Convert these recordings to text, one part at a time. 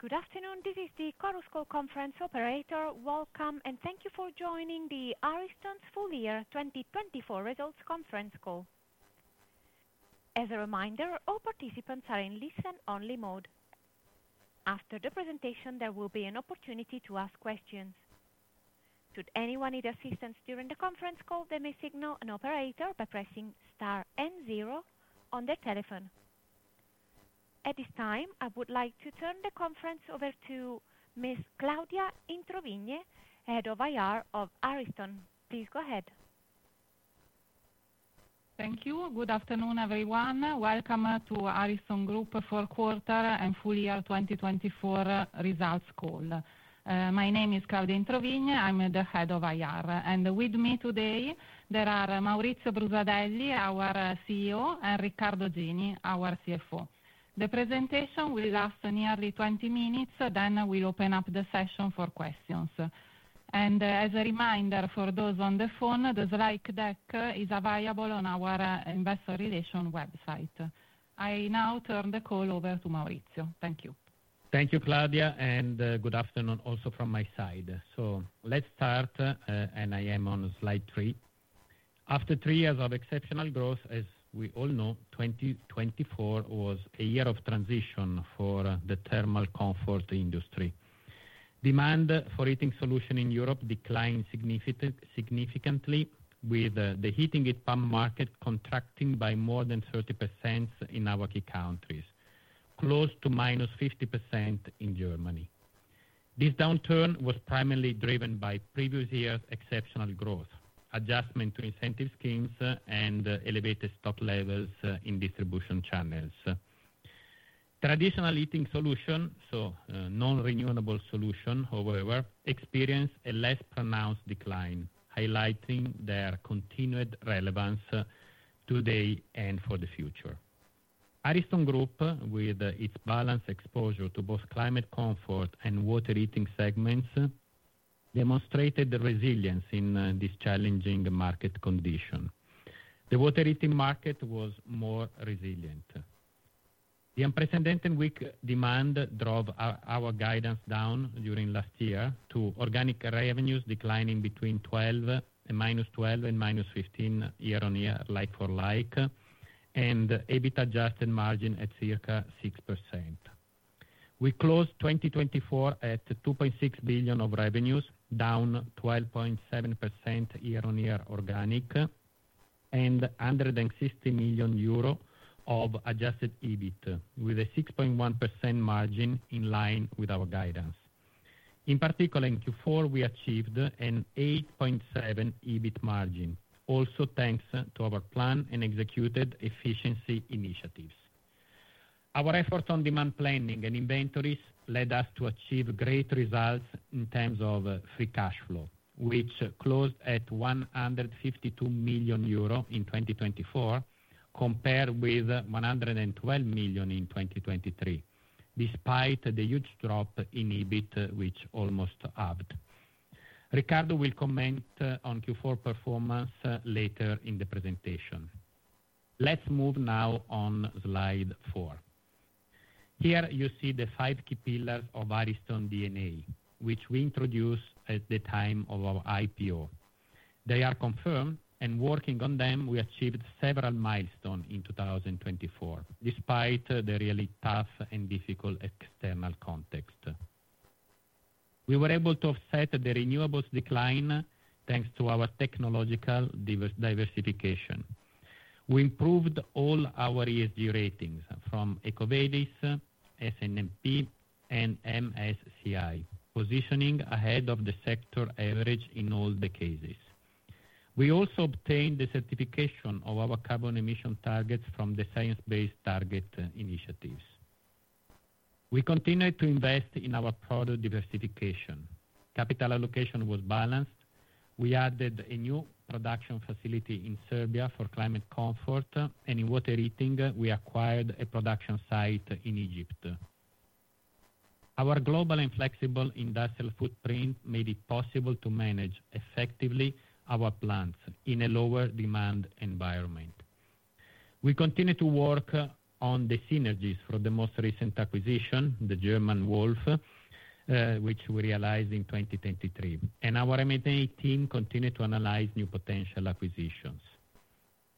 Good afternoon, this is the conference call conference operator. Welcome, and thank you for joining the Ariston's full year 2024 results conference call. As a reminder, all participants are in listen-only mode. After the presentation, there will be an opportunity to ask questions. Should anyone need assistance during the conference call, they may signal an operator by pressing star and zero on their telephone. At this time, I would like to turn the conference over to Ms. Claudia Introvigne, Head of IR of Ariston. Please go ahead. Thank you. Good afternoon, everyone. Welcome to Ariston Group fourth quarter and full year 2024 results call. My name is Claudia Introvigne, I'm the Head of IR. With me today, there are Maurizio Brusadelli, our CEO, and Riccardo Gini, our CFO. The presentation will last nearly 20 minutes, then we will open up the session for questions. As a reminder for those on the phone, the slide deck is available on our Investor Relations website. I now turn the call over to Maurizio. Thank you. Thank you, Claudia, and good afternoon also from my side. Let's start, and I am on slide three. After three years of exceptional growth, as we all know, 2024 was a year of transition for the thermal comfort industry. Demand for heating solutions in Europe declined significantly, with the heat pump market contracting by more than 30% in AUK countries, close to -50% in Germany. This downturn was primarily driven by previous year's exceptional growth, adjustment to incentive schemes, and elevated stock levels in distribution channels. Traditional heating solutions, so non-renewable solutions, however, experienced a less pronounced decline, highlighting their continued relevance today and for the future. Ariston Group, with its balanced exposure to both climate comfort and water heating segments, demonstrated resilience in this challenging market condition. The water heating market was more resilient. The unprecedented weak demand drove our guidance down during last year, to organic revenues declining between -12% and -15% year-on-year, like-for-like, and Adjusted EBIT margin at circa 6%. We closed 2024 at 2.6 billion of revenues, down 12.7% year-on-year organic, and under 60 million euro of Adjusted EBIT, with a 6.1% margin in line with our guidance. In particular, in Q4, we achieved an 8.7% EBIT margin, also thanks to our plan and executed efficiency initiatives. Our efforts on demand planning and inventories led us to achieve great results in terms of free cash flow, which closed at 152 million euro in 2024, compared with 112 million in 2023, despite the huge drop in EBIT, which almost halved. Riccardo will comment on Q4 performance later in the presentation. Let's move now on slide four. Here you see the five key pillars of Ariston DNA, which we introduced at the time of our IPO. They are confirmed, and working on them, we achieved several milestones in 2024, despite the really tough and difficult external context. We were able to offset the renewables' decline thanks to our technological diversification. We improved all our ESG ratings from EcoVadis, S&P, and MSCI, positioning ahead of the sector average in all the cases. We also obtained the certification of our carbon emission targets from the Science Based Target initiatives. We continued to invest in our product diversification. Capital allocation was balanced. We added a new production facility in Serbia for climate comfort, and in water heating, we acquired a production site in Egypt. Our global and flexible industrial footprint made it possible to manage effectively our plants in a lower demand environment. We continue to work on the synergies for the most recent acquisition, the German Wolf, which we realized in 2023, and our M&A team continued to analyze new potential acquisitions.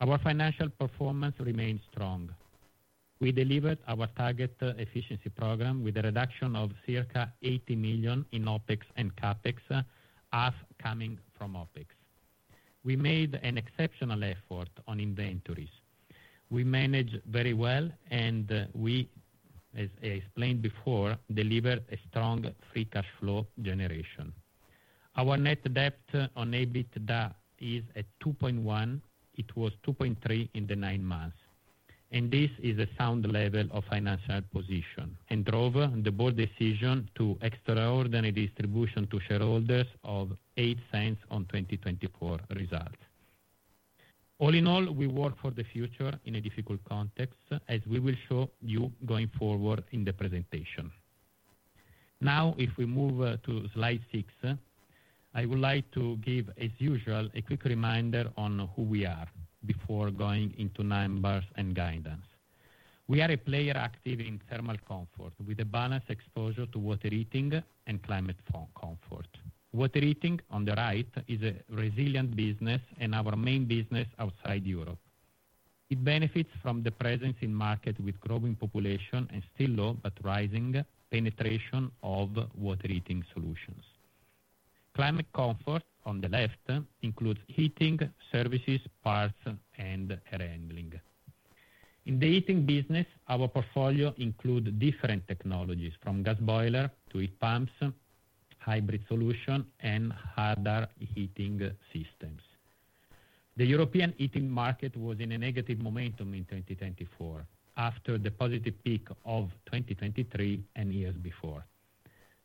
Our financial performance remained strong. We delivered our target efficiency program with a reduction of circa 80 million in OpEx and CapEx, half coming from OpEx. We made an exceptional effort on inventories. We managed very well, and we, as I explained before, delivered a strong free cash flow generation. Our net debt on EBITDA is at 2.1. It was 2.3 in the nine months. This is a sound level of financial position and drove the board decision to extraordinary distribution to shareholders of 0.08 on 2024 results. All in all, we work for the future in a difficult context, as we will show you going forward in the presentation. Now, if we move to slide six, I would like to give, as usual, a quick reminder on who we are before going into numbers and guidance. We are a player active in thermal comfort with a balanced exposure to water heating and climate comfort. Water heating on the right is a resilient business and our main business outside Europe. It benefits from the presence in markets with growing population and still low but rising penetration of water heating solutions. Climate comfort on the left includes heating services, parts, and handling. In the heating business, our portfolio includes different technologies from gas boilers to heat pumps, hybrid solutions, and harder heating systems. The European heating market was in a negative momentum in 2024 after the positive peak of 2023 and years before.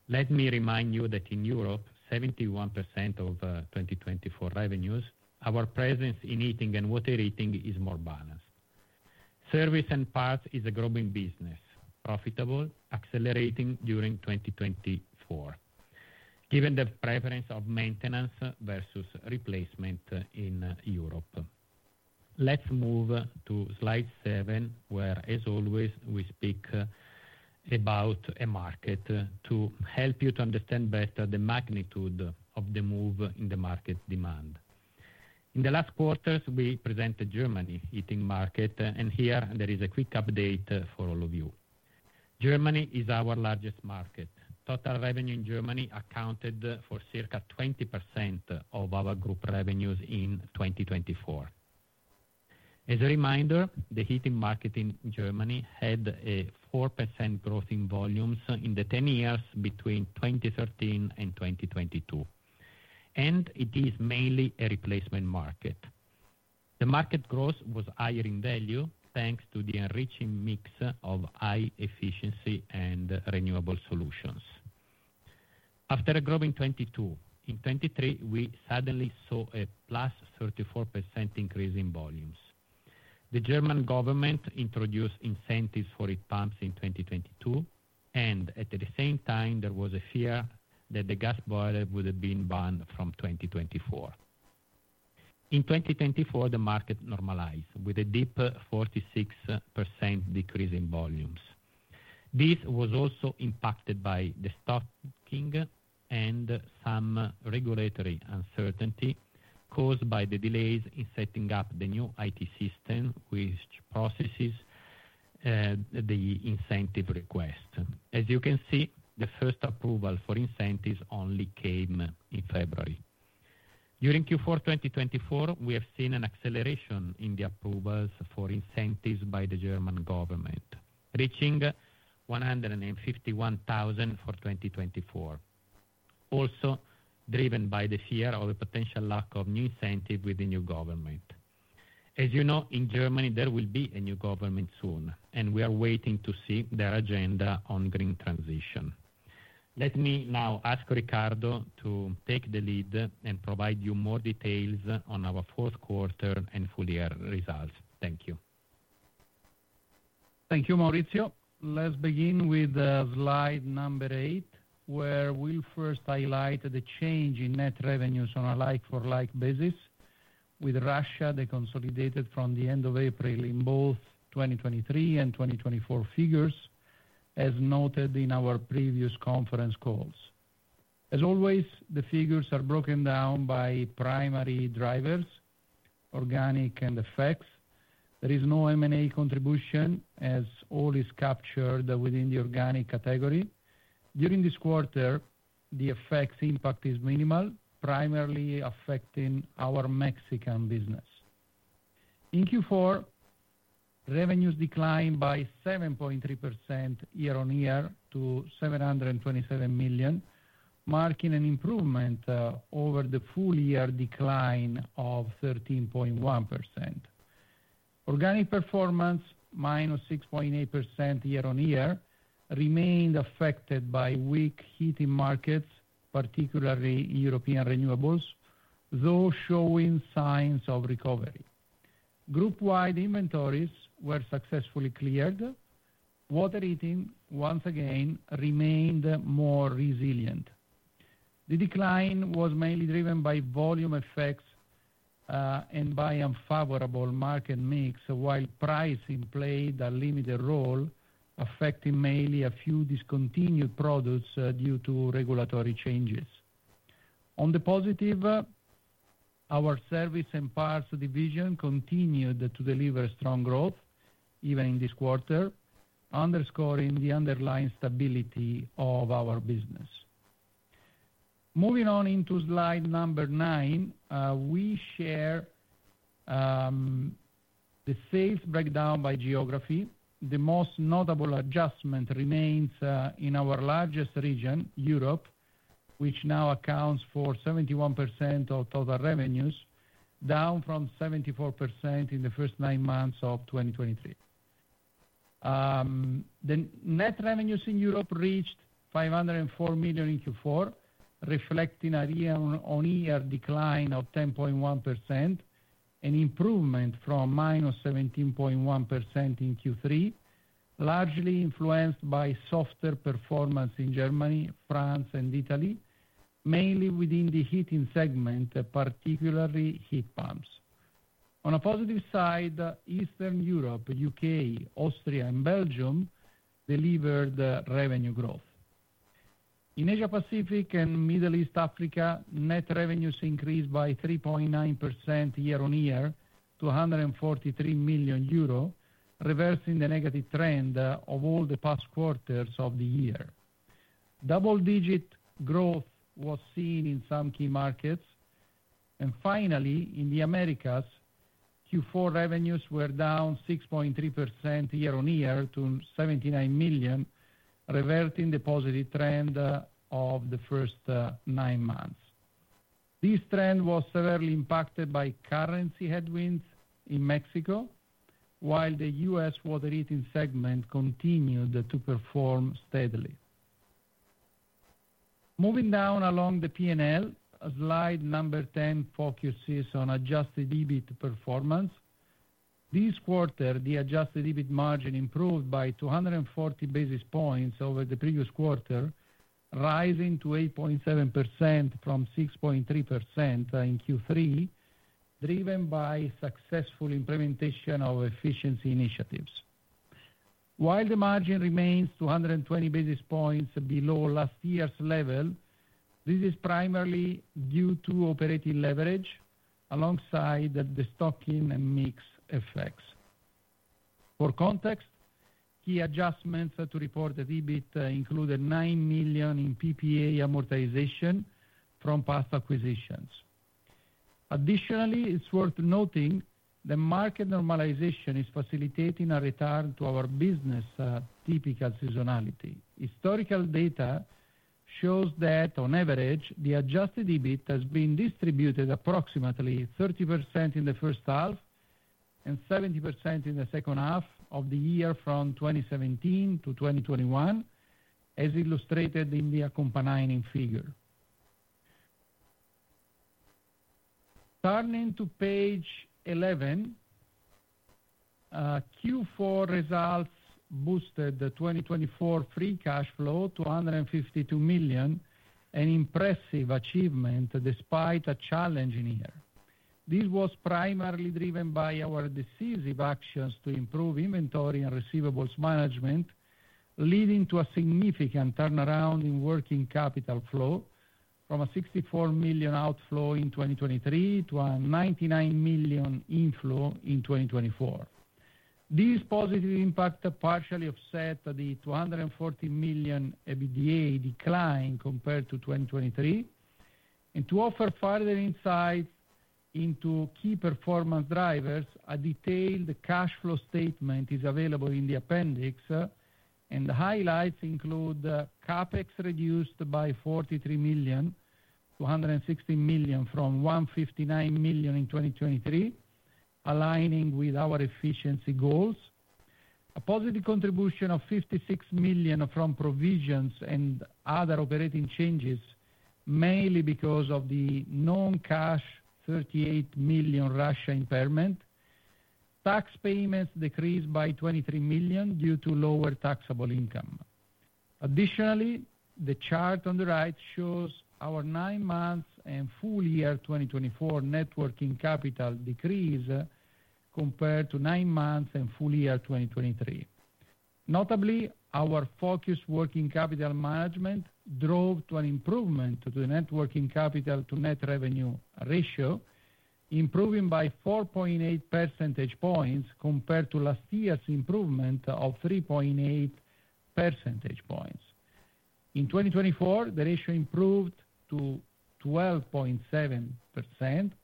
Let me remind you that in Europe, 71% of 2024 revenues, our presence in heating and water heating is more balanced. Service and parts is a growing business, profitable, accelerating during 2024, given the preference of maintenance versus replacement in Europe. Let's move to slide seven, where, as always, we speak about a market to help you to understand better the magnitude of the move in the market demand. In the last quarters, we presented Germany's heating market, and here there is a quick update for all of you. Germany is our largest market. Total revenue in Germany accounted for circa 20% of our group revenues in 2024. As a reminder, the heating market in Germany had a 4% growth in volumes in the 10 years between 2013 and 2022, and it is mainly a replacement market. The market growth was higher in value thanks to the enriching mix of high efficiency and renewable solutions. After a growing 2022, in 2023, we suddenly saw a +34% increase in volumes. The German government introduced incentives for heat pumps in 2022, and at the same time, there was a fear that the gas boiler would have been banned from 2024. In 2024, the market normalized with a deep 46% decrease in volumes. This was also impacted by the stocking and some regulatory uncertainty caused by the delays in setting up the new IT system, which processes the incentive request. As you can see, the first approval for incentives only came in February. During Q4 2024, we have seen an acceleration in the approvals for incentives by the German government, reaching 151,000 for 2024, also driven by the fear of a potential lack of new incentive with the new government. As you know, in Germany, there will be a new government soon, and we are waiting to see their agenda on green transition. Let me now ask Riccardo to take the lead and provide you more details on our fourth quarter and full year results. Thank you. Thank you, Maurizio. Let's begin with slide number eight, where we'll first highlight the change in net revenues on a like-for-like basis, with Russia they consolidated from the end of April in both 2023 and 2024 figures, as noted in our previous conference calls. As always, the figures are broken down by primary drivers, organic and effects. There is no M&A contribution, as all is captured within the organic category. During this quarter, the FX impact is minimal, primarily affecting our Mexican business. In Q4, revenues declined by 7.3% year-on-year to 727 million, marking an improvement over the full year decline of 13.1%. Organic performance, -6.8% year-on-year, remained affected by weak heating markets, particularly European renewables, though showing signs of recovery. Group-wide inventories were successfully cleared. Water heating, once again, remained more resilient. The decline was mainly driven by volume effects and by unfavorable market mix, while pricing played a limited role, affecting mainly a few discontinued products due to regulatory changes. On the positive, our service and parts division continued to deliver strong growth even in this quarter, underscoring the underlying stability of our business. Moving on into slide number nine, we share the sales breakdown by geography. The most notable adjustment remains in our largest region, Europe, which now accounts for 71% of total revenues, down from 74% in the first nine months of 2023. The net revenues in Europe reached 504 million in Q4, reflecting a year-on-year decline of 10.1% and improvement from -17.1% in Q3, largely influenced by softer performance in Germany, France, and Italy, mainly within the heating segment, particularly heat pumps. On a positive side, Eastern Europe, the U.K., Austria, and Belgium delivered revenue growth. In Asia-Pacific and Middle East, Africa, net revenues increased by 3.9% year-on-year to 143 million euro, reversing the negative trend of all the past quarters of the year. Double-digit growth was seen in some key markets. Finally, in the Americas, Q4 revenues were down 6.3% year-on-year to 79 million, reverting the positive trend of the first nine months. This trend was severely impacted by currency headwinds in Mexico, while the US water heating segment continued to perform steadily. Moving down along the P&L, slide number 10 focuses on Adjusted EBIT performance. This quarter, the Adjusted EBIT margin improved by 240 basis points over the previous quarter, rising to 8.7% from 6.3% in Q3, driven by successful implementation of efficiency initiatives. While the margin remains 220 basis points below last year's level, this is primarily due to operating leverage alongside the stocking and mix effects. For context, key adjustments to report the EBIT included 9 million in PPA amortization from past acquisitions. Additionally, it's worth noting the market normalization is facilitating a return to our business' typical seasonality. Historical data shows that, on average, the Adjusted EBIT has been distributed approximately 30% in the first half and 70% in the second half of the year from 2017 to 2021, as illustrated in the accompanying figure. Turning to page 11, Q4 results boosted the 2024 free cash flow to 152 million, an impressive achievement despite a challenging year. This was primarily driven by our decisive actions to improve inventory and receivables management, leading to a significant turnaround in working capital flow from a 64 million outflow in 2023 to a 99 million inflow in 2024. This positive impact partially offset the 240 million EBITDA decline compared to 2023. To offer further insights into key performance drivers, a detailed cash flow statement is available in the appendix, and the highlights include CapEx reduced by 43 million to 160 million from 203 million in 2023, aligning with our efficiency goals. A positive contribution of 56 million from provisions and other operating changes, mainly because of the non-cash 38 million Russia impairment. Tax payments decreased by 23 million due to lower taxable income. Additionally, the chart on the right shows our nine months and full year 2024 net working capital decrease compared to nine months and full year 2023. Notably, our focused working capital management drove an improvement to the net working capital to net revenue ratio, improving by 4.8 percentage points compared to last year's improvement of 3.8 percentage points. In 2024, the ratio improved to 12.7%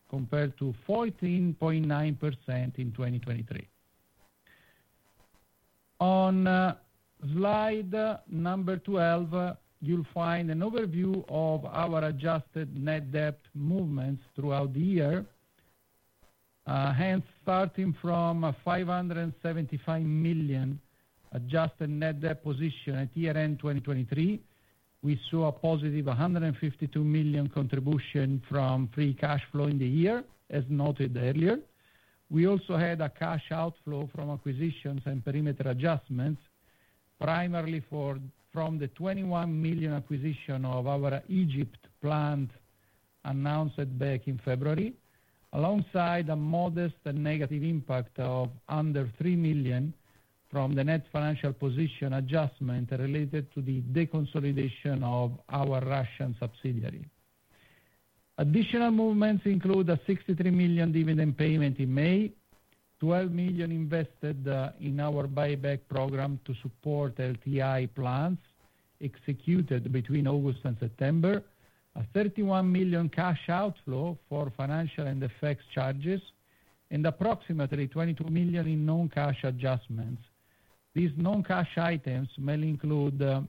compared to 14.9% in 2023. On slide number 12, you'll find an overview of our adjusted net debt movements throughout the year. Hence, starting from 575 million adjusted net debt position at year-end 2023, we saw a positive 152 million contribution from free cash flow in the year, as noted earlier. We also had a cash outflow from acquisitions and perimeter adjustments, primarily from the 21 million acquisition of our Egypt plant announced back in February, alongside a modest and negative impact of under 3 million from the net financial position adjustment related to the deconsolidation of our Russian subsidiary. Additional movements include a 63 million dividend payment in May, 12 million invested in our buyback program to support LTI plans executed between August and September, a 31 million cash outflow for financial and effects charges, and approximately 22 million in non-cash adjustments. These non-cash items may include the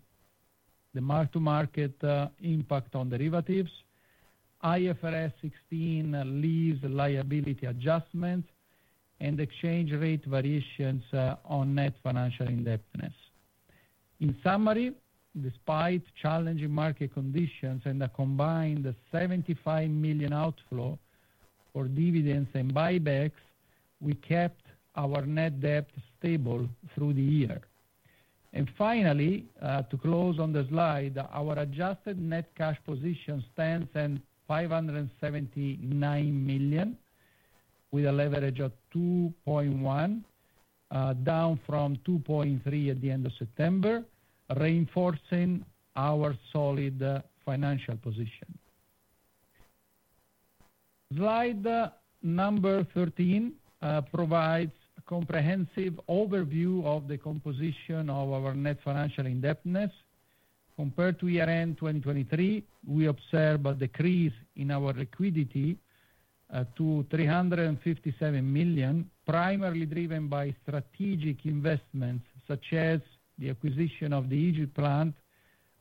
mark-to-market impact on derivatives, IFRS 16 lease liability adjustments, and exchange rate variations on net financial indebtedness. In summary, despite challenging market conditions and a combined 75 million outflow for dividends and buybacks, we kept our net debt stable through the year. Finally, to close on the slide, our adjusted net cash position stands at 579 million with a leverage of 2.1, down from 2.3 at the end of September, reinforcing our solid financial position. Slide number 13 provides a comprehensive overview of the composition of our net financial indebtedness. Compared to year-end 2023, we observe a decrease in our liquidity to 357 million, primarily driven by strategic investments such as the acquisition of the Egypt plant,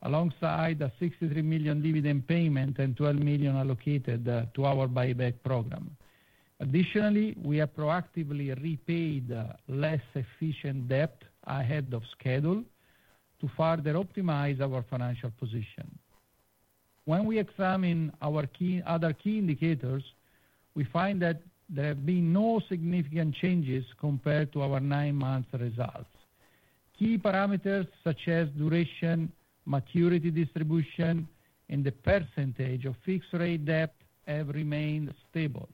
alongside a 63 million dividend payment and 12 million allocated to our buyback program. Additionally, we have proactively repaid less efficient debt ahead of schedule to further optimize our financial position. When we examine our other key indicators, we find that there have been no significant changes compared to our nine months' results. Key parameters such as duration, maturity distribution, and the percentage of fixed-rate debt have remained stable,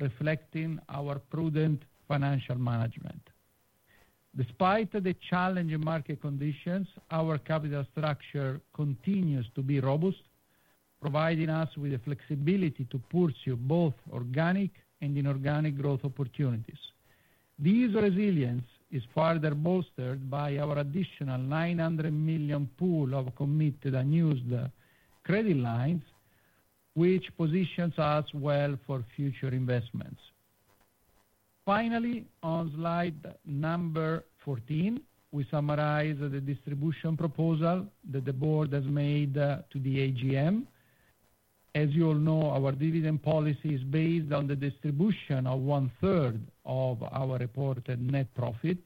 reflecting our prudent financial management. Despite the challenging market conditions, our capital structure continues to be robust, providing us with the flexibility to pursue both organic and inorganic growth opportunities. This resilience is further bolstered by our additional 900 million pool of committed unused credit lines, which positions us well for future investments. Finally, on slide number 14, we summarize the distribution proposal that the board has made to the AGM. As you all know, our dividend policy is based on the distribution of 1/3 of our reported net profit.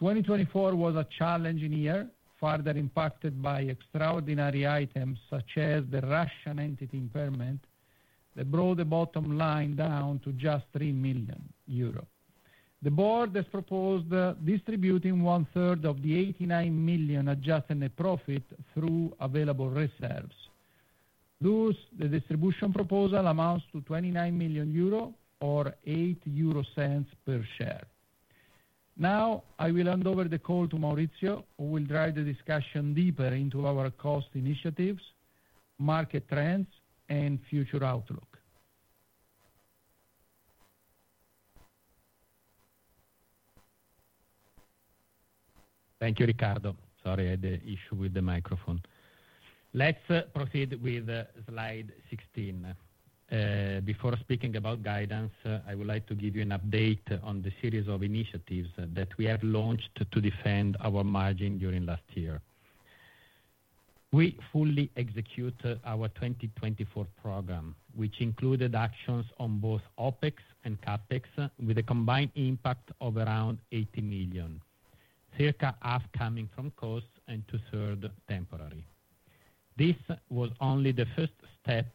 2024 was a challenging year, further impacted by extraordinary items such as the Russian entity impairment that brought the bottom line down to just 3 million euro. The board has proposed distributing 1/3 of the 89 million adjusted net profit through available reserves. Thus, the distribution proposal amounts to 29 million euro or 0.08 per share. Now, I will hand over the call to Maurizio, who will drive the discussion deeper into our cost initiatives, market trends, and future outlook. Thank you, Riccardo. Sorry, I had an issue with the microphone. Let's proceed with slide 16. Before speaking about guidance, I would like to give you an update on the series of initiatives that we have launched to defend our margin during last year. We fully execute our 2024 program, which included actions on both OpEx and CapEx, with a combined impact of around 80 million, circa half coming from cost and 2/3 temporary. This was only the first step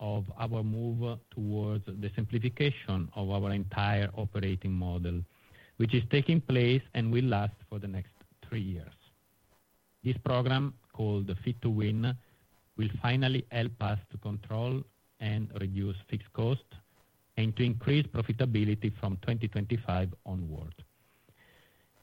of our move towards the simplification of our entire operating model, which is taking place and will last for the next three years. This program, called Fit-to-Win, will finally help us to control and reduce fixed costs and to increase profitability from 2025 onward.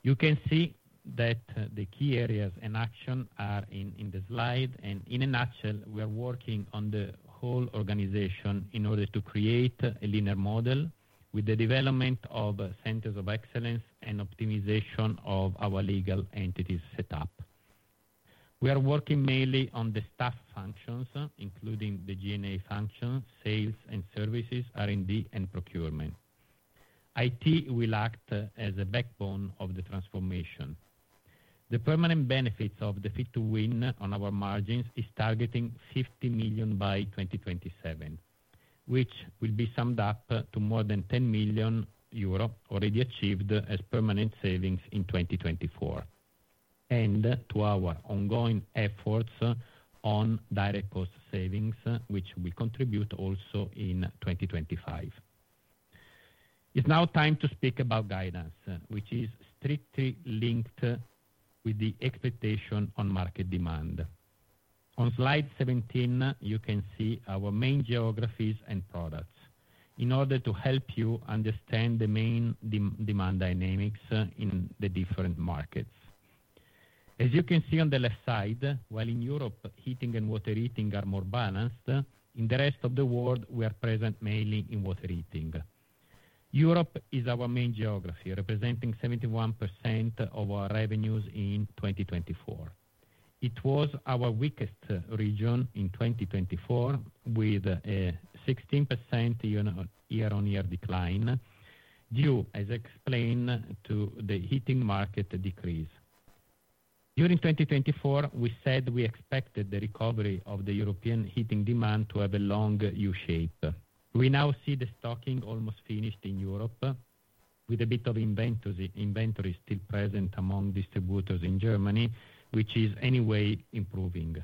You can see that the key areas in action are in the slide, and in a nutshell, we are working on the whole organization in order to create a leaner model with the development of centers of excellence and optimization of our legal entities set up. We are working mainly on the staff functions, including the G&A function, sales and services, R&D, and procurement. IT will act as a backbone of the transformation. The permanent benefits of the Fit-to-Win on our margins are targeting 50 million by 2027, which will be summed up to more than 10 million euro already achieved as permanent savings in 2024, and to our ongoing efforts on direct cost savings, which will contribute also in 2025. It's now time to speak about guidance, which is strictly linked with the expectation on market demand. On slide 17, you can see our main geographies and products in order to help you understand the main demand dynamics in the different markets. As you can see on the left side, while in Europe, heating and water heating are more balanced, in the rest of the world, we are present mainly in water heating. Europe is our main geography, representing 71% of our revenues in 2024. It was our weakest region in 2024, with a 16% year-on-year decline due, as explained, to the heating market decrease. During 2024, we said we expected the recovery of the European heating demand to have a long U-shape. We now see the stocking almost finished in Europe, with a bit of inventory still present among distributors in Germany, which is anyway improving.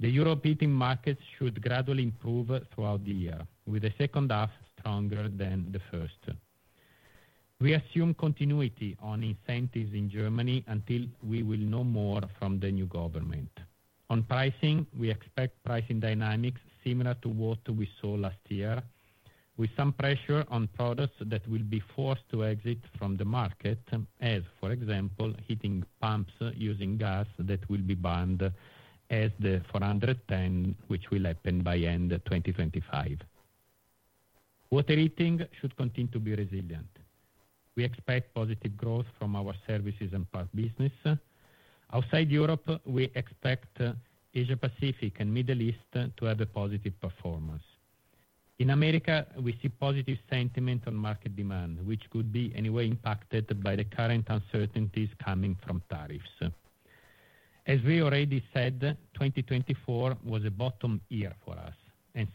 The Europe heating markets should gradually improve throughout the year, with the second half stronger than the first. We assume continuity on incentives in Germany until we will know more from the new government. On pricing, we expect pricing dynamics similar to what we saw last year, with some pressure on products that will be forced to exit from the market, as for example, heat pumps using gas that will be banned as the R-410A, which will happen by end 2025. Water heating should continue to be resilient. We expect positive growth from our services and parts business. Outside Europe, we expect Asia-Pacific and Middle East to have a positive performance. In America, we see positive sentiment on market demand, which could be anyway impacted by the current uncertainties coming from tariffs. As we already said, 2024 was a bottom year for us.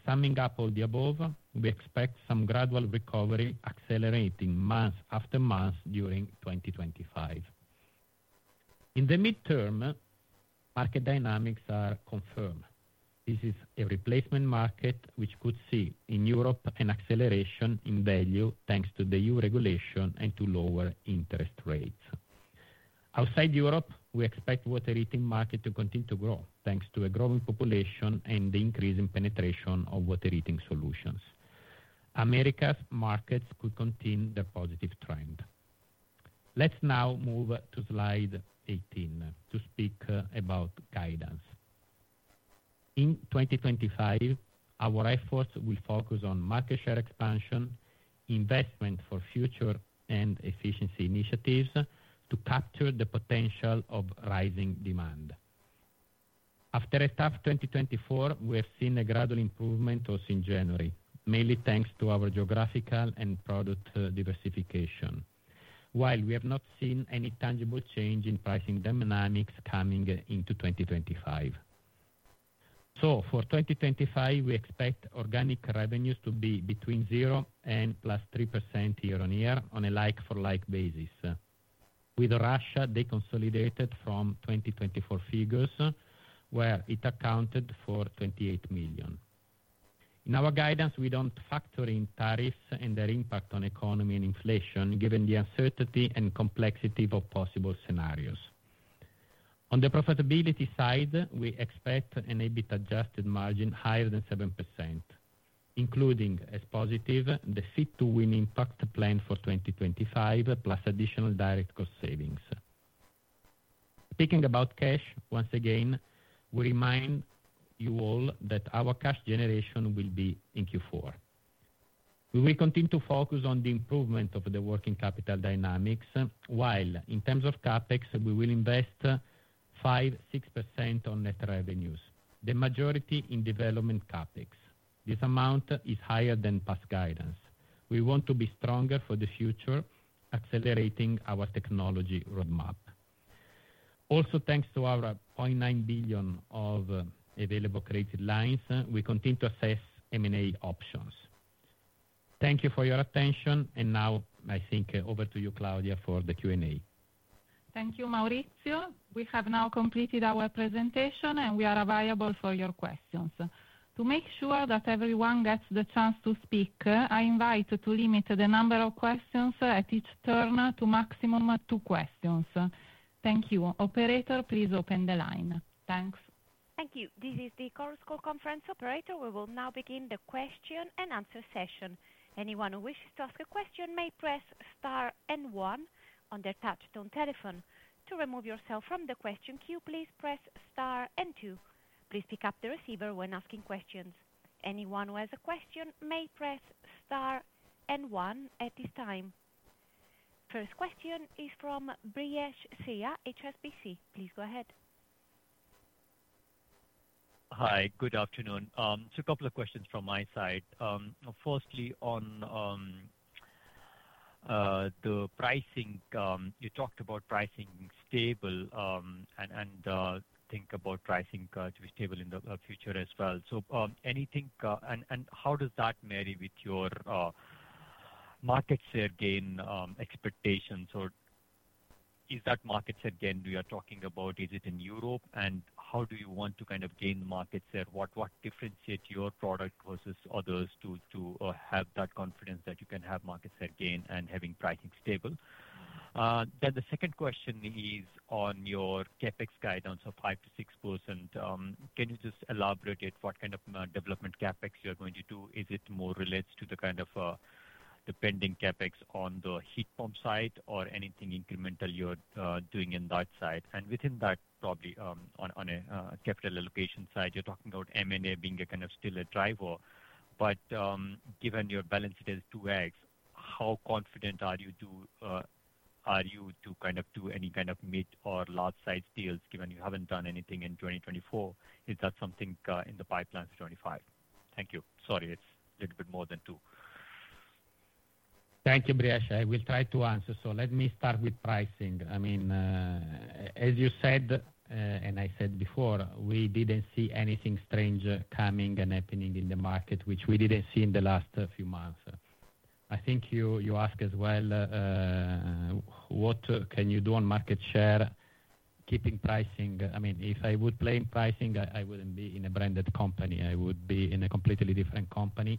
Summing up all the above, we expect some gradual recovery accelerating month after month during 2025. In the midterm, market dynamics are confirmed. This is a replacement market, which could see in Europe an acceleration in value thanks to the EU regulation and to lower interest rates. Outside Europe, we expect the water heating market to continue to grow thanks to a growing population and the increase in penetration of water heating solutions. America's markets could continue the positive trend. Let's now move to slide 18 to speak about guidance. In 2025, our efforts will focus on market share expansion, investment for future and efficiency initiatives to capture the potential of rising demand. After a tough 2024, we have seen a gradual improvement since January, mainly thanks to our geographical and product diversification, while we have not seen any tangible change in pricing dynamics coming into 2025. For 2025, we expect organic revenues to be between 0 and +3% year-on-year on a like-for-like basis. With Russia, they consolidated from 2024 figures, where it accounted for 28 million. In our guidance, we do not factor in tariffs and their impact on the economy and inflation, given the uncertainty and complexity of possible scenarios. On the profitability side, we expect an Adjusted EBIT margin higher than 7%, including, as positive, the Fit-to-Win impact plan for 2025, plus additional direct cost savings. Speaking about cash, once again, we remind you all that our cash generation will be in Q4. We will continue to focus on the improvement of the working capital dynamics, while in terms of CapEx, we will invest 5%, 6% on net revenues, the majority in development CapEx. This amount is higher than past guidance. We want to be stronger for the future, accelerating our technology roadmap. Also, thanks to our 0.9 billion of available credit lines, we continue to assess M&A options. Thank you for your attention. I think over to you, Claudia, for the Q&A. Thank you, Maurizio. We have now completed our presentation, and we are available for your questions. To make sure that everyone gets the chance to speak, I invite you to limit the number of questions at each turn to a maximum of two questions. Thank you. Operator, please open the line. Thanks. Thank you. This is the conference call operator. We will now begin the question and answer session. Anyone who wishes to ask a question may press star and one on their touch-tone telephone. To remove yourself from the question queue, please press star and two. Please pick up the receiver when asking questions. Anyone who has a question may press star and one at this time. First question is from Brijesh Siya, HSBC. Please go ahead. Hi, good afternoon. Just a couple of questions from my side. Firstly, on the pricing, you talked about pricing being stable and think about pricing to be stable in the future as well. Anything, and how does that marry with your market share gain expectations? Is that market share gain we are talking about, is it in Europe? How do you want to kind of gain market share? What differentiates your product versus others to have that confidence that you can have market share gain and having pricing stable? The second question is on your CapEx guidance of 5%, 6%. Can you just elaborate what kind of development CapEx you are going to do? Is it more related to the kind of the pending CapEx on the heat pump side or anything incremental you are doing in that side? Within that, probably on a capital allocation side, you're talking about M&A being a kind of still a driver. Given your balance sheet is 2x, how confident are you to kind of do any kind of mid or large-sized deals given you haven't done anything in 2024? Is that something in the pipeline for 2025? Thank you. Sorry, it's a little bit more than two. Thank you, Brijesh. I will try to answer. Let me start with pricing. I mean, as you said, and I said before, we did not see anything strange coming and happening in the market, which we did not see in the last few months. I think you asked as well, what can you do on market share, keeping pricing? I mean, if I would play in pricing, I would not be in a branded company. I would be in a completely different company.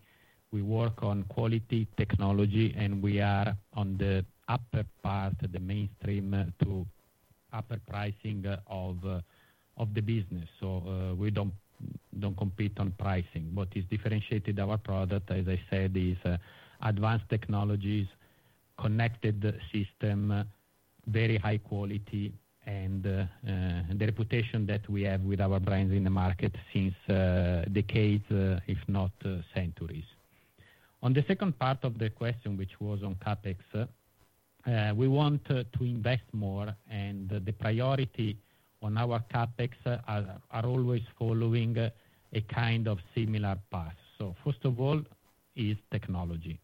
We work on quality technology, and we are on the upper part, the mainstream to upper pricing of the business. We do not compete on pricing. What is differentiated in our product, as I said, is advanced technologies, connected system, very high quality, and the reputation that we have with our brands in the market since decades, if not centuries. On the second part of the question, which was on CapEx, we want to invest more, and the priority on our CapEx are always following a kind of similar path. First of all is technology.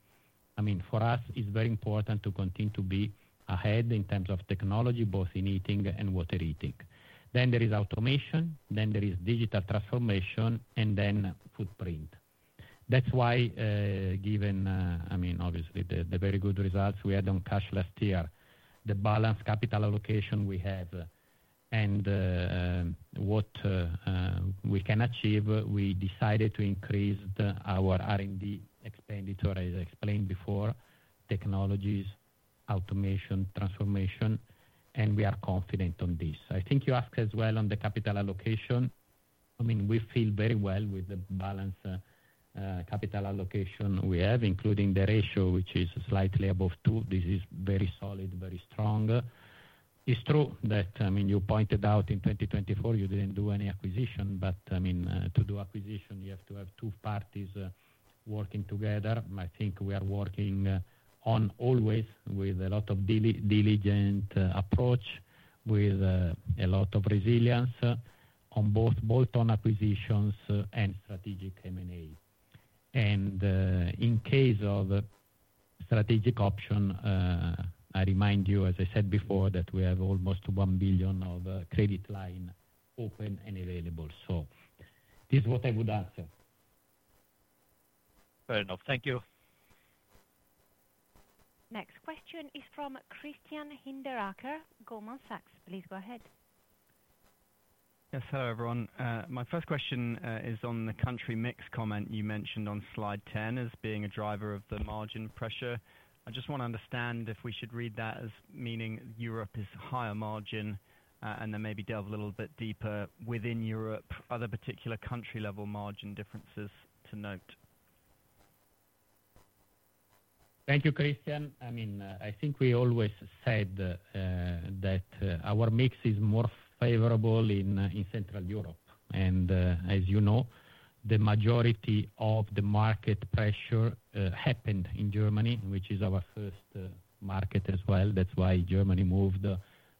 I mean, for us, it's very important to continue to be ahead in terms of technology, both in heating and water heating. Then there is automation, then there is digital transformation, and then footprint. That is why, given, I mean, obviously, the very good results we had on cash last year, the balanced capital allocation we have, and what we can achieve, we decided to increase our R&D expenditure, as I explained before, technologies, automation, transformation, and we are confident on this. I think you asked as well on the capital allocation. I mean, we feel very well with the balanced capital allocation we have, including the ratio, which is slightly above two. This is very solid, very strong. It's true that, I mean, you pointed out in 2024, you didn't do any acquisition, but I mean, to do acquisition, you have to have two parties working together. I think we are working on always with a lot of diligent approach, with a lot of resilience on both bolt-on acquisitions and strategic M&A. In case of strategic option, I remind you, as I said before, that we have almost 1 billion of credit line open and available. This is what I would answer. Fair enough. Thank you. Next question is from Christian Hinderaker, Goldman Sachs. Please go ahead. Yes, hello everyone. My first question is on the country mix comment you mentioned on slide 10 as being a driver of the margin pressure. I just want to understand if we should read that as meaning Europe is higher margin and then maybe delve a little bit deeper within Europe. Are there particular country-level margin differences to note? Thank you, Christian. I mean, I think we always said that our mix is more favorable in Central Europe. And as you know, the majority of the market pressure happened in Germany, which is our first market as well. That is why Germany moved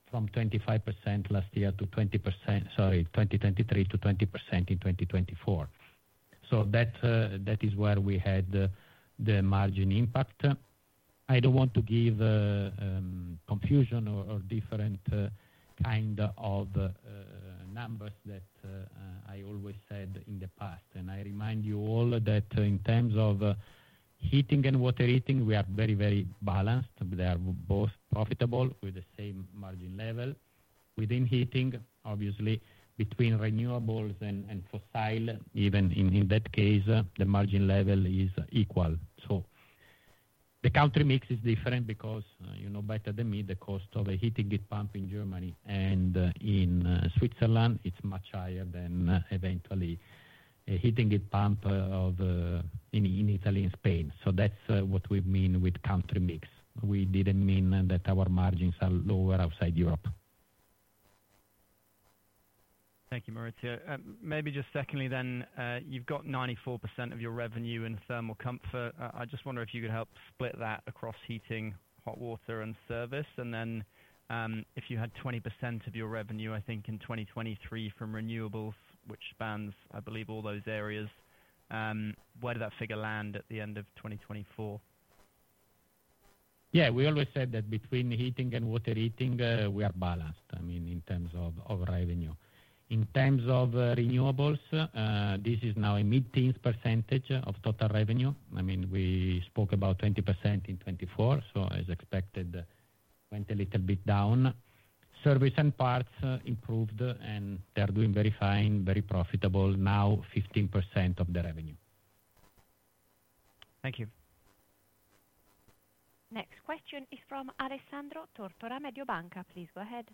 from 25% last year to 20%, sorry, 2023 to 20% in 2024. That is where we had the margin impact. I do not want to give confusion or different kind of numbers that I always said in the past. I remind you all that in terms of heating and water heating, we are very, very balanced. They are both profitable with the same margin level. Within heating, obviously, between renewables and fossil, even in that case, the margin level is equal. The country mix is different because you know better than me the cost of a heating heat pump in Germany and in Switzerland, it's much higher than eventually a heating heat pump in Italy and Spain. That's what we mean with country mix. We didn't mean that our margins are lower outside Europe. Thank you, Maurizio. Maybe just secondly then, you've got 94% of your revenue in thermal comfort. I just wonder if you could help split that across heating, hot water, and service. And then if you had 20% of your revenue, I think in 2023 from renewables, which spans, I believe, all those areas, where does that figure land at the end of 2024? Yeah, we always said that between heating and water heating, we are balanced, I mean, in terms of revenue. In terms of renewables, this is now a mid-teens percentage of total revenue. I mean, we spoke about 20% in 2024, so as expected, went a little bit down. Service and parts improved, and they're doing very fine, very profitable, now 15% of the revenue. Thank you. Next question is from Alessandro Tortora, Mediobanca. Please go ahead.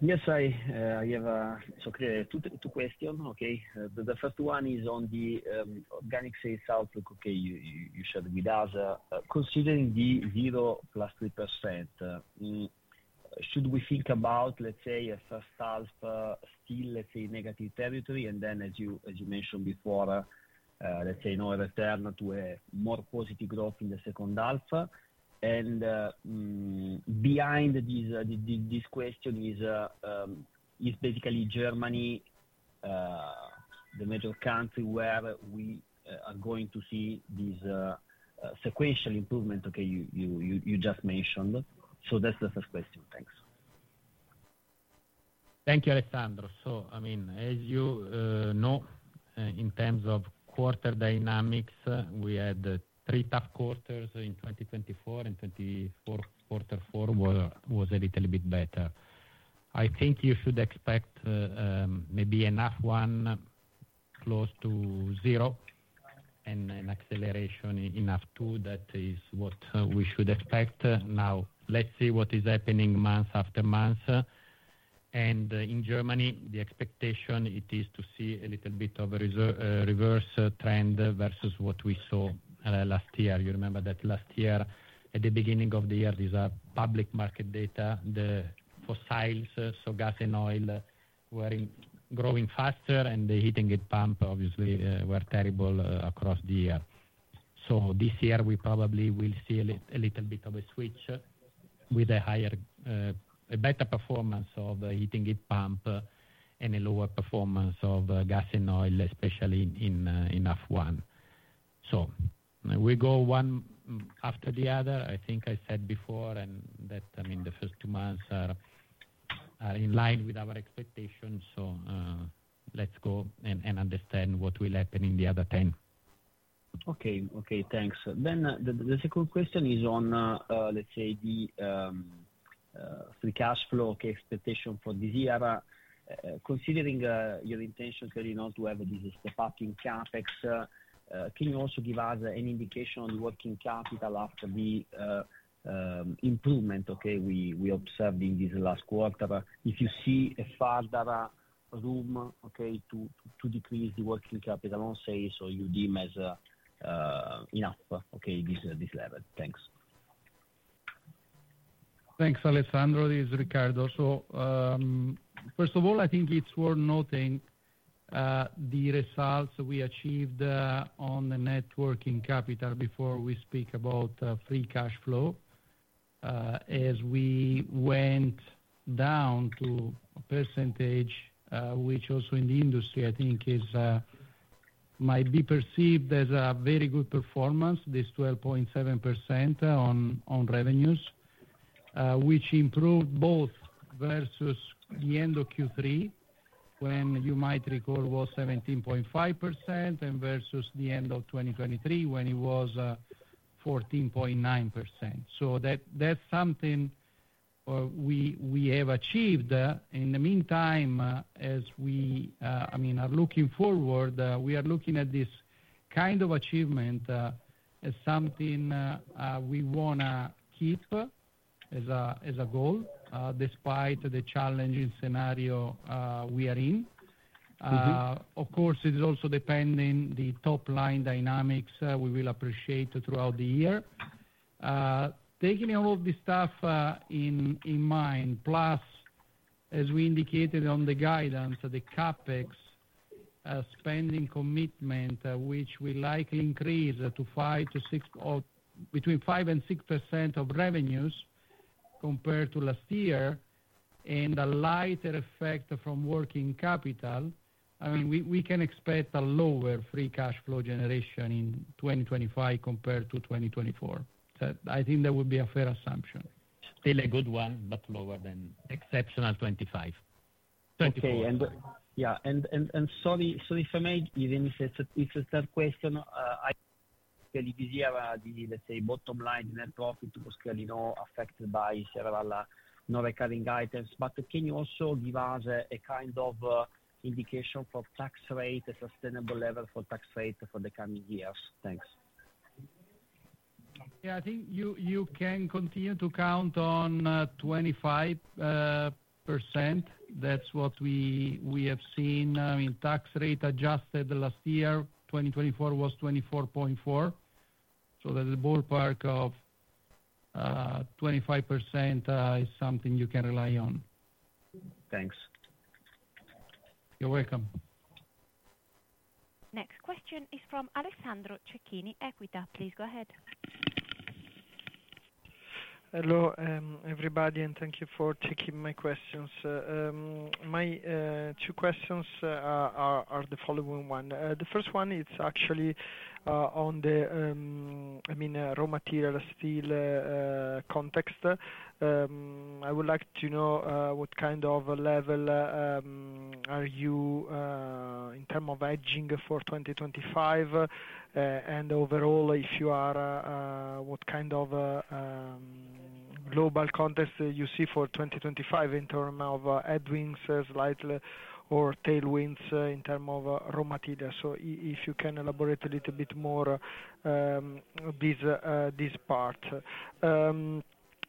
Yes, I have two questions. The first one is on the organic sales outlook. You shared with us. Considering the 0%, +3%, should we think about, let's say, a first half still, let's say, negative territory? As you mentioned before, let's say, now return to a more positive growth in the second half. Behind this question is basically Germany, the major country where we are going to see this sequential improvement, you just mentioned. That's the first question. Thanks. Thank you, Alessandro. I mean, as you know, in terms of quarter dynamics, we had three tough quarters in 2024, and quarter four was a little bit better. I think you should expect maybe enough one close to zero and an acceleration enough two that is what we should expect. Now, let's see what is happening month after month. In Germany, the expectation is to see a little bit of a reverse trend versus what we saw last year. You remember that last year, at the beginning of the year, these are public market data, the fossils, so gas and oil, were growing faster, and the heating heat pump, obviously, were terrible across the year. This year, we probably will see a little bit of a switch with a better performance of the heating heat pump and a lower performance of gas and oil, especially in F1. We go one after the other. I think I said before that, I mean, the first two months are in line with our expectations. Let's go and understand what will happen in the other ten. Okay. Okay, thanks. The second question is on, let's say, the free cash flow expectation for this year. Considering your intention, clearly, not to have this step-up in CapEx, can you also give us an indication on the working capital after the improvement we observed in this last quarter? If you see further room to decrease the working capital, say, or you deem as enough this level. Thanks. Thanks, Alessandro. This is Riccardo. First of all, I think it's worth noting the results we achieved on the working capital before we speak about free cash flow. As we went down to a percentage, which also in the industry, I think, might be perceived as a very good performance, this 12.7% on revenues, which improved both versus the end of Q3, when you might recall was 17.5%, and versus the end of 2023, when it was 14.9%. That's something we have achieved. In the meantime, as we, I mean, are looking forward, we are looking at this kind of achievement as something we want to keep as a goal, despite the challenging scenario we are in. Of course, it is also depending on the top-line dynamics we will appreciate throughout the year. Taking all of this stuff in mind, plus, as we indicated on the guidance, the CapEx spending commitment, which will likely increase to between 5% and 6% of revenues compared to last year, and a lighter effect from working capital, I mean, we can expect a lower free cash flow generation in 2025 compared to 2024. I think that would be a fair assumption. Still a good one, but lower than exceptional 2025. Okay. Yeah. Sorry, if I may, even if it's a tough question, I think this year, let's say, bottom line net profit was clearly not affected by several non-recurring items. Can you also give us a kind of indication for tax rate, a sustainable level for tax rate for the coming years? Thanks. I think you can continue to count on 25%. That's what we have seen in tax rate adjusted last year. 2024 was 24.4%. The ballpark of 25% is something you can rely on. Thanks. You're welcome. Next question is from Alessandro Cecchini, Equita. Please go ahead. Hello, everybody, and thank you for taking my questions. My two questions are the following. One, the first one is actually on the, I mean, raw material steel context. I would like to know what kind of level are you in terms of hedging for 2025? And overall, if you are, what kind of global context you see for 2025 in terms of headwinds slightly or tailwinds in terms of raw materials? If you can elaborate a little bit more on this part.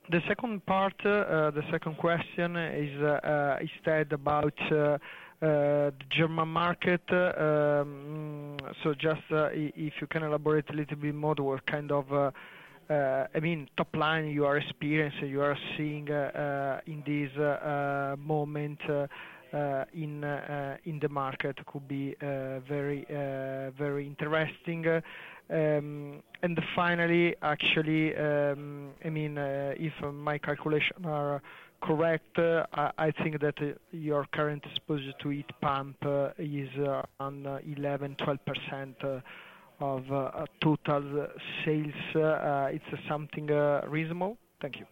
The second part, the second question is instead about the German market. Just if you can elaborate a little bit more on what kind of, I mean, top-line you are experiencing, you are seeing in this moment in the market, could be very interesting. Finally, actually, I mean, if my calculations are correct, I think that your current exposure to heat pump is around 11%, 12% of total sales. It is something reasonable? Thank you.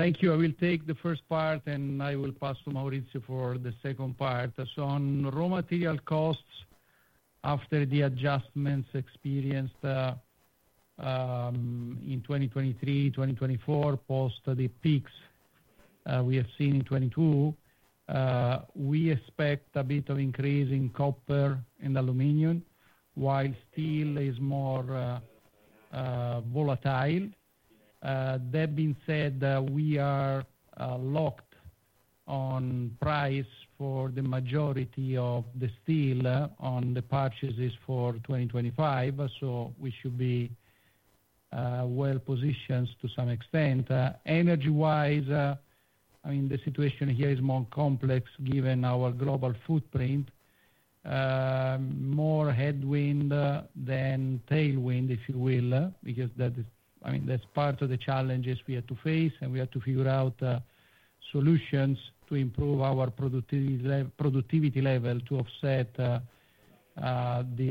Thank you. I will take the first part, and I will pass to Maurizio for the second part. On raw material costs after the adjustments experienced in 2023, 2024, post the peaks we have seen in 2022, we expect a bit of increase in copper and aluminum, while steel is more volatile. That being said, we are locked on price for the majority of the steel on the purchases for 2025, so we should be well positioned to some extent. Energy-wise, I mean, the situation here is more complex given our global footprint, more headwind than tailwind, if you will, because that is, I mean, that's part of the challenges we have to face, and we have to figure out solutions to improve our productivity level to offset the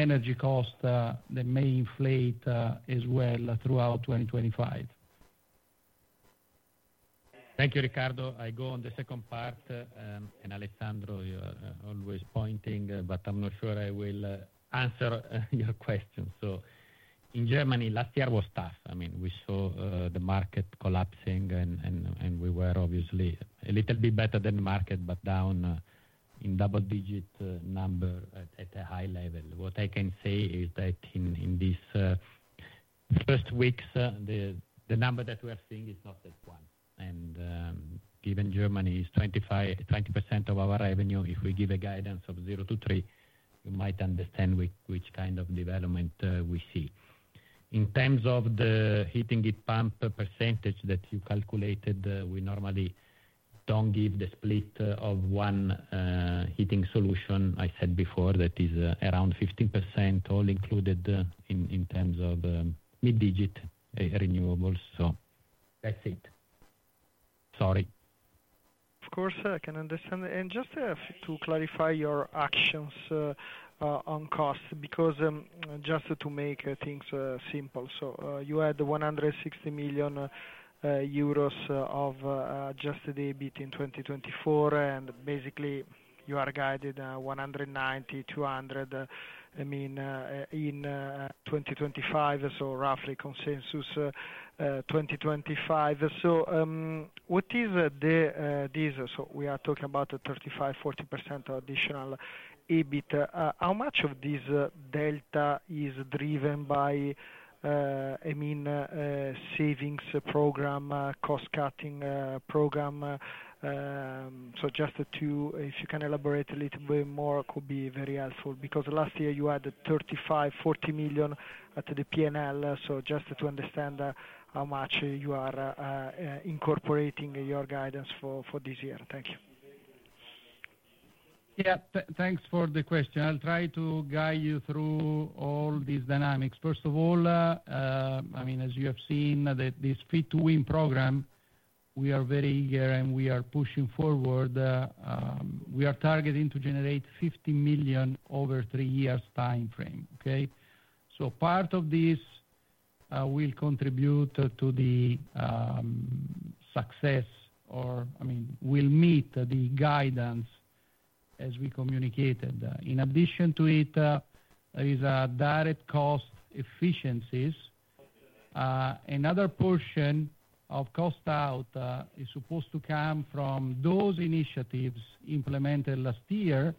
energy cost that may inflate as well throughout 2025. Thank you, Riccardo. I go on the second part, and Alessandro, you are always pointing, but I'm not sure I will answer your question. In Germany, last year was tough. I mean, we saw the market collapsing, and we were obviously a little bit better than the market, but down in double-digit numbers at a high level. What I can say is that in these first weeks, the number that we are seeing is not that one. Given Germany is 20% of our revenue, if we give a guidance of 0%-3%, you might understand which kind of development we see. In terms of the heating heat pump percentage that you calculated, we normally do not give the split of one heating solution. I said before that is around 15% all included in terms of mid-digit renewables. That is it. Sorry. Of course, I can understand. Just to clarify your actions on cost, just to make things simple, you had 160 million euros of Adjusted EBIT in 2024, and basically, you are guided 190, 200 million, I mean, in 2025, so roughly consensus 2025. What is this? We are talking about 35%, 40% additional EBIT. How much of this delta is driven by, I mean, savings program, cost-cutting program? Just to, if you can elaborate a little bit more, could be very helpful, because last year you had 35, 40 million at the P&L. Just to understand how much you are incorporating in your guidance for this year. Thank you. Yeah, thanks for the question. I'll try to guide you through all these dynamics. First of all, I mean, as you have seen, this Fit-to-Win program, we are very eager, and we are pushing forward. We are targeting to generate 50 million over three years' time frame. Okay? Part of this will contribute to the success, or I mean, will meet the guidance as we communicated. In addition to it, there is a direct cost efficiencies. Another portion of cost-out is supposed to come from those initiatives implemented last year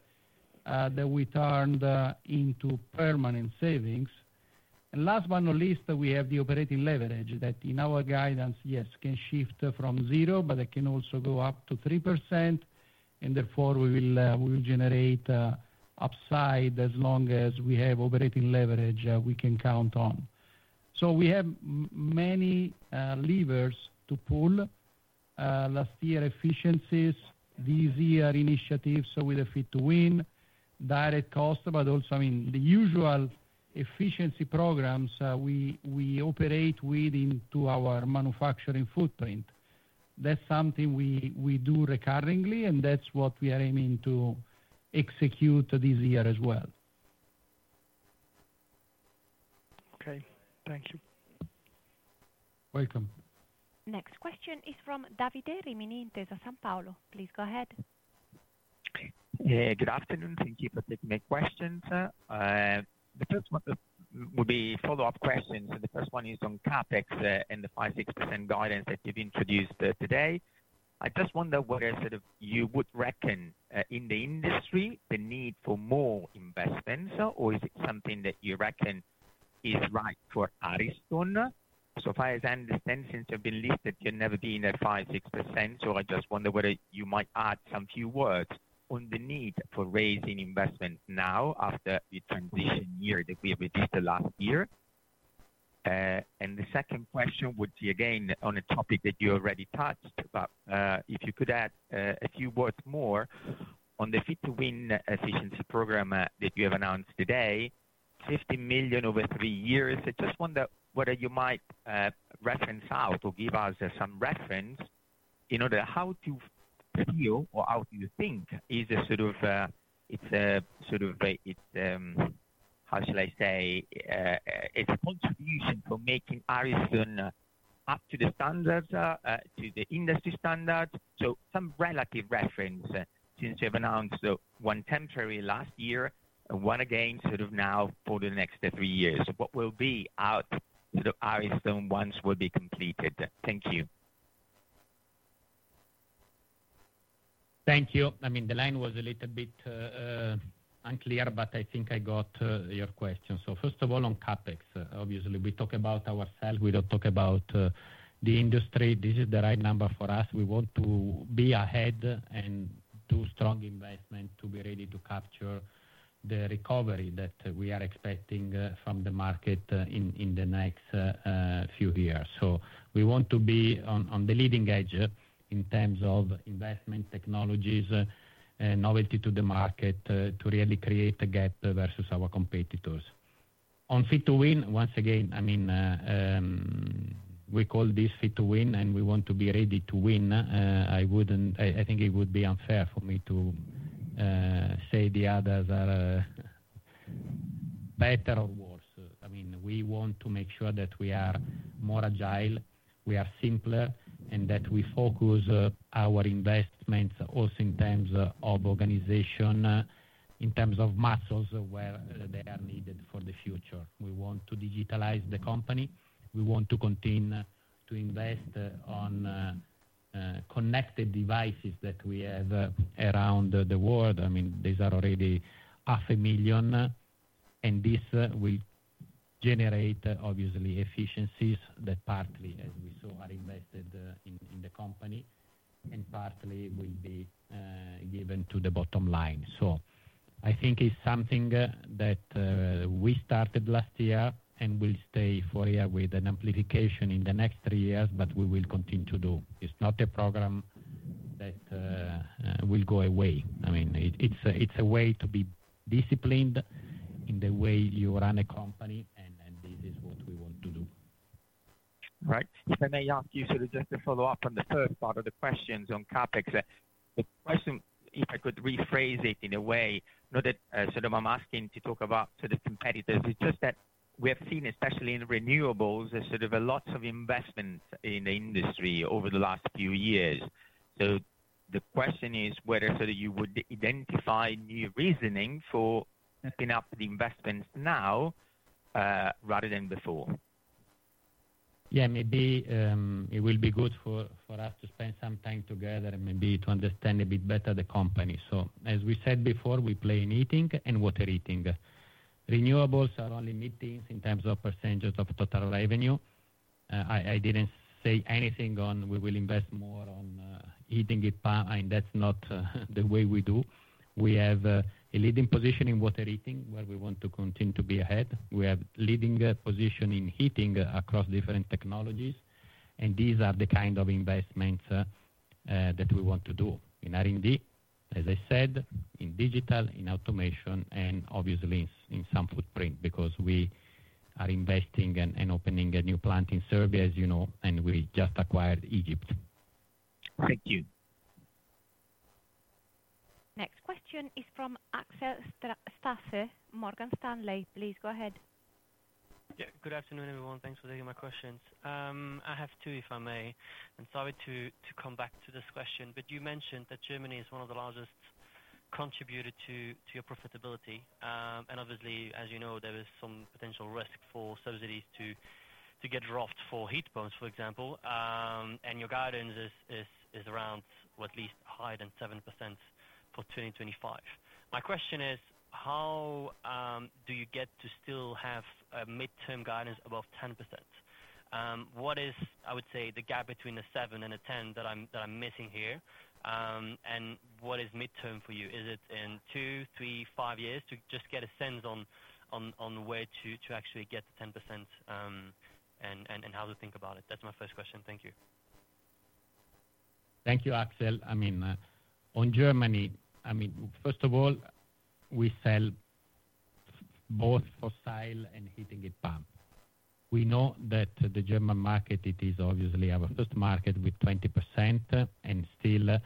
that we turned into permanent savings. Last but not least, we have the operating leverage that in our guidance, yes, can shift from zero, but it can also go up to 3%, and therefore, we will generate upside as long as we have operating leverage we can count on. We have many levers to pull. Last year efficiencies, this year initiatives with a Fit-to-Win, direct cost, but also, I mean, the usual efficiency programs we operate with into our manufacturing footprint. That's something we do recurringly, and that's what we are aiming to execute this year as well. Okay. Thank you. Welcome. Next question is from Davide Rimini, Intesa Sanpaolo. Please go ahead. Good afternoon. Thank you for taking my questions. The first one would be follow-up questions. The first one is on CapEx and the 5%, 6% guidance that you've introduced today. I just wonder whether sort of you would reckon in the industry the need for more investments, or is it something that you reckon is right for Ariston? So far as I understand, since you've been listed, you've never been at 5%, 6%, so I just wonder whether you might add some few words on the need for raising investment now after the transition year that we have released the last year. The second question would be, again, on a topic that you already touched, but if you could add a few words more on the Fit-to-Win efficiency program that you have announced today, 50 million over three years. I just wonder whether you might reference out or give us some reference in order how to feel or how do you think is a sort of, it's a sort of, how shall I say, it's a contribution for making Ariston up to the standards, to the industry standards. Some relative reference since you have announced one temporary last year, one again sort of now for the next three years. What will be out sort of Ariston once we'll be completed? Thank you. Thank you. I mean, the line was a little bit unclear, but I think I got your question. First of all, on CapEx, obviously, we talk about ourselves. We do not talk about the industry. This is the right number for us. We want to be ahead and do strong investment to be ready to capture the recovery that we are expecting from the market in the next few years. We want to be on the leading edge in terms of investment technologies and novelty to the market to really create a gap versus our competitors. On Fit-to-Win, once again, I mean, we call this Fit-to-Win, and we want to be ready to win. I think it would be unfair for me to say the others are better or worse. I mean, we want to make sure that we are more agile, we are simpler, and that we focus our investments also in terms of organization, in terms of muscles where they are needed for the future. We want to digitalize the company. We want to continue to invest on connected devices that we have around the world. I mean, these are already 500,000, and this will generate, obviously, efficiencies that partly, as we saw, are invested in the company and partly will be given to the bottom line. I think it's something that we started last year and will stay for here with an amplification in the next three years, but we will continue to do. It's not a program that will go away. I mean, it's a way to be disciplined in the way you run a company, and this is what we want to do. Right. If I may ask you just to follow up on the first part of the questions on CapEx, the question, if I could rephrase it in a way, not that I'm asking to talk about competitors, it's just that we have seen, especially in renewables, lots of investment in the industry over the last few years. The question is whether you would identify new reasoning for setting up the investments now rather than before. Yeah, maybe it will be good for us to spend some time together and maybe to understand a bit better the company. As we said before, we play in heating and water heating. Renewables are only meetings in terms of percentages of total revenue. I didn't say anything on we will invest more on heating heat pump. I mean, that's not the way we do. We have a leading position in water heating where we want to continue to be ahead. We have a leading position in heating across different technologies, and these are the kind of investments that we want to do. In R&D, as I said, in digital, in automation, and obviously in some footprint because we are investing and opening a new plant in Serbia, as you know, and we just acquired Egypt. Thank you. Next question is from Axel Stasse, Morgan Stanley. Please go ahead. Yeah. Good afternoon, everyone. Thanks for taking my questions. I have two, if I may. Sorry to come back to this question, but you mentioned that Germany is one of the largest contributors to your profitability. Obviously, as you know, there is some potential risk for subsidies to get dropped for heat pumps, for example, and your guidance is around, well, at least higher than 7% for 2025. My question is, how do you get to still have a mid-term guidance above 10%? What is, I would say, the gap between a 7 and a 10 that I'm missing here, and what is mid-term for you? Is it in two, three, five years to just get a sense on where to actually get to 10% and how to think about it? That's my first question. Thank you. Thank you, Axel. I mean, on Germany, I mean, first of all, we sell both fossil and heating heat pump. We know that the German market, it is obviously our first market with 20%, and still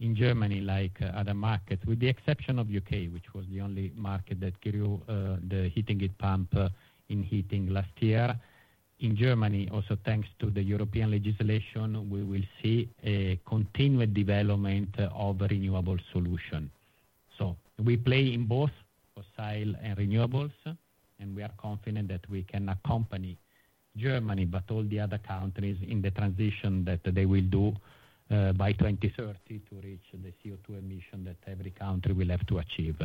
in Germany, like other markets, with the exception of the U.K., which was the only market that grew the heating heat pump in heating last year. In Germany, also thanks to the European legislation, we will see a continued development of renewable solutions. We play in both fossil and renewables, and we are confident that we can accompany Germany but all the other countries in the transition that they will do by 2030 to reach the CO2 emission that every country will have to achieve.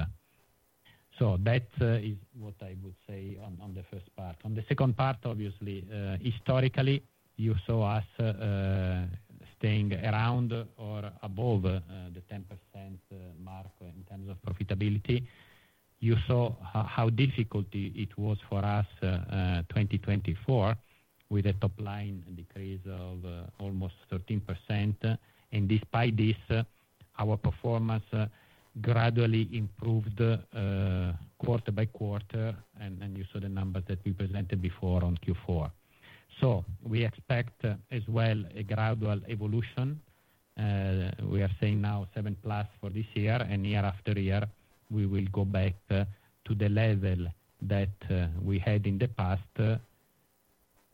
That is what I would say on the first part. On the second part, obviously, historically, you saw us staying around or above the 10% mark in terms of profitability. You saw how difficult it was for us 2024 with a top-line decrease of almost 13%. Despite this, our performance gradually improved quarter by quarter, and you saw the numbers that we presented before on Q4. We expect as well a gradual evolution. We are saying now 7%+ for this year, and year after year, we will go back to the level that we had in the past,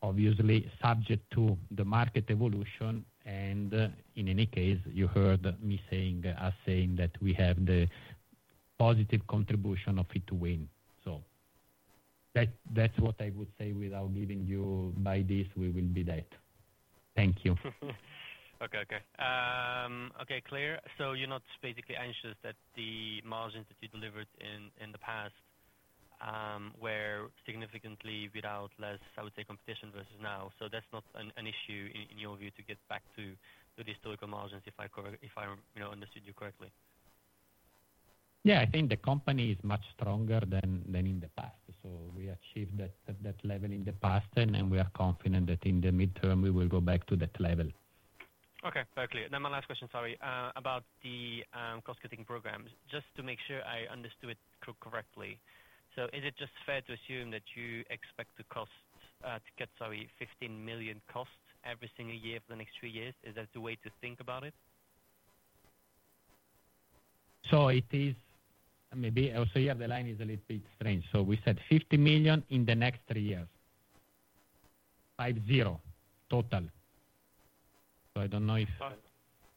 obviously subject to the market evolution. In any case, you heard me saying us saying that we have the positive contribution of Fit-to-Win. That is what I would say without giving you by this, we will be that. Thank you. Okay. Okay. Okay. Clear. You are not basically anxious that the margins that you delivered in the past were significantly without less, I would say, competition versus now. That is not an issue in your view to get back to the historical margins if I understood you correctly? Yeah. I think the company is much stronger than in the past. We achieved that level in the past, and we are confident that in the midterm, we will go back to that level. Okay. Very clear. My last question, sorry, about the cost-cutting programs. Just to make sure I understood it correctly, is it just fair to assume that you expect to get, sorry, 15 million cost every single year for the next three years? Is that the way to think about it? It is maybe also here, the line is a little bit strange. We said 50 million in the next three years, 5-0 total. I do not know if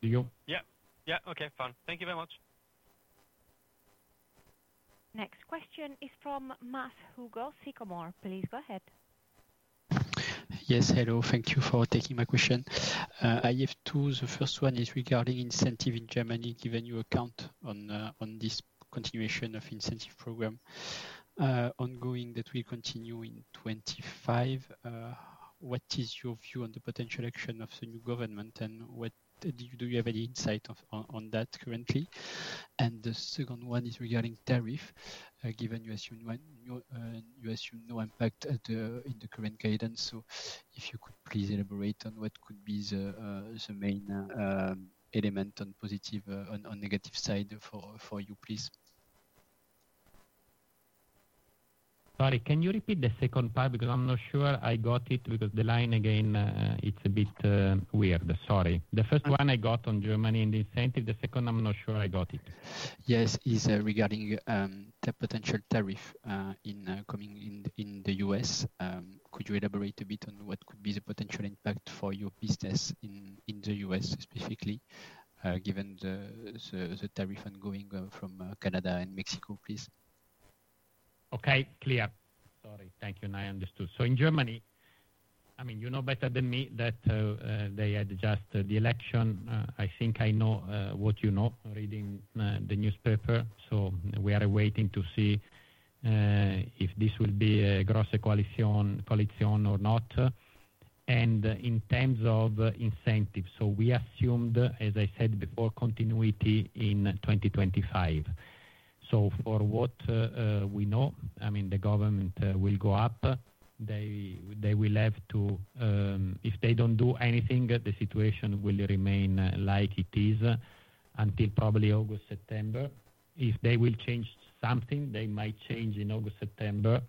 you. Fine. Yeah. Okay. Fine. Thank you very much. Next question is from Mas Hugo, Sycomore. Please go ahead. Yes. Hello. Thank you for taking my question. I have two. The first one is regarding incentive in Germany given you account on this continuation of incentive program ongoing that will continue in 2025. What is your view on the potential action of the new government, and do you have any insight on that currently? The second one is regarding tariff, given you assume no impact in the current guidance. If you could please elaborate on what could be the main element on positive or negative side for you, please. Sorry. Can you repeat the second part because I'm not sure I got it? Because the line again, it's a bit weird. Sorry. The first one I got on Germany and the incentive. The second, I'm not sure I got it. Yes. It's regarding the potential tariff incoming in the U.S. Could you elaborate a bit on what could be the potential impact for your business in the U.S. specifically, given the tariff ongoing from Canada and Mexico, please? Okay. Clear. Sorry. Thank you. I understood. In Germany, I mean, you know better than me that they had just the election. I think I know what you know reading the newspaper. We are waiting to see if this will be a gross coalition or not. In terms of incentives, we assumed, as I said before, continuity in 2025. For what we know, the government will go up. They will have to if they do not do anything, the situation will remain like it is until probably August, September. If they change something, they might change in August, September.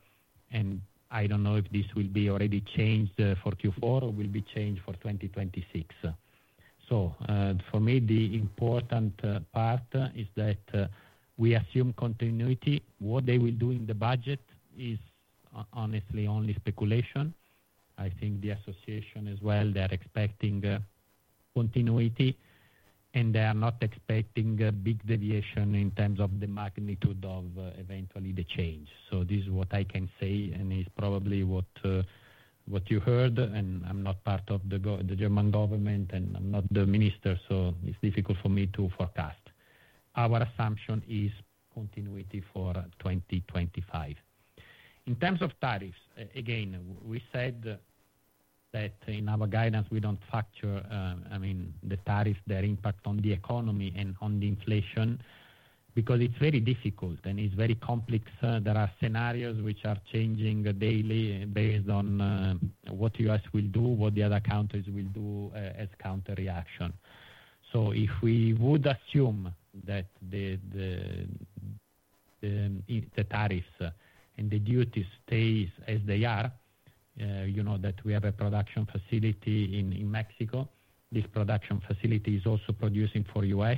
I do not know if this will be already changed for Q4 or will be changed for 2026. For me, the important part is that we assume continuity. What they will do in the budget is honestly only speculation. I think the association as well, they are expecting continuity, and they are not expecting big deviation in terms of the magnitude of eventually the change. This is what I can say, and it's probably what you heard, and I'm not part of the German government, and I'm not the minister, so it's difficult for me to forecast. Our assumption is continuity for 2025. In terms of tariffs, again, we said that in our guidance, we do not factor, I mean, the tariffs, their impact on the economy and on the inflation because it's very difficult and it's very complex. There are scenarios which are changing daily based on what the U.S. will do, what the other countries will do as counter-reaction. If we would assume that the tariffs and the duties stay as they are, that we have a production facility in Mexico, this production facility is also producing for the U.S.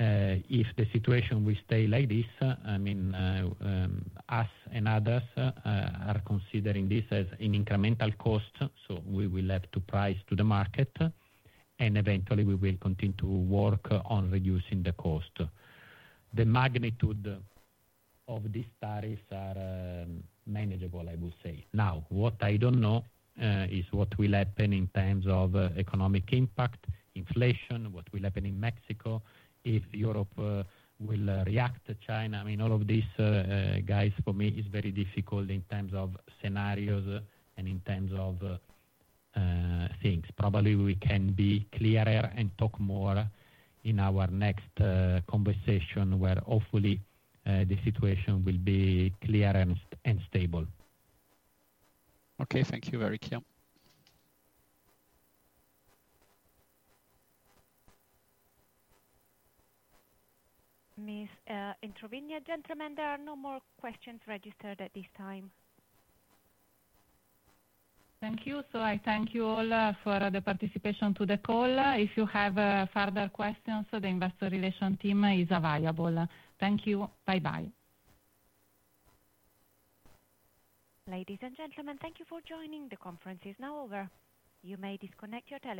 If the situation will stay like this, I mean, us and others are considering this as an incremental cost, so we will have to price to the market, and eventually, we will continue to work on reducing the cost. The magnitude of these tariffs are manageable, I would say. Now, what I don't know is what will happen in terms of economic impact, inflation, what will happen in Mexico, if Europe will react to China. I mean, all of this, guys, for me, is very difficult in terms of scenarios and in terms of things. Probably we can be clearer and talk more in our next conversation where hopefully the situation will be clear and stable. Okay. Thank you, very clear. Ms. Introvigne, gentlemen, there are no more questions registered at this time. Thank you. I thank you all for the participation to the call. If you have further questions, the investor relation team is available. Thank you. Bye-bye. Ladies and gentlemen, thank you for joining. The conference is now over. You may disconnect.